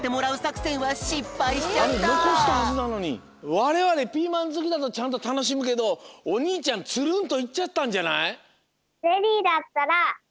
われわれピーマンズキだとちゃんとたのしむけどおにいちゃんつるんといっちゃったんじゃない？